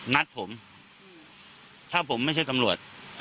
นัดผมถ้าผมไม่ใช่ตำรวจ